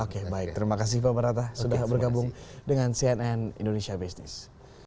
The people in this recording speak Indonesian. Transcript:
oke baik terima kasih pak barata sudah bergabung dengan cnn indonesia business